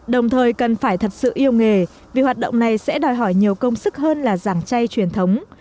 đồng thời cần phải thật sự yêu nghề vì hoạt động này sẽ đòi hỏi nhiều công sức hơn là giảng chay truyền thống